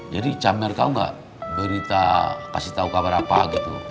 jadi camer kau gak berita kasih tau kabar apa gitu